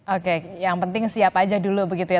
oke yang penting siap aja dulu begitu ya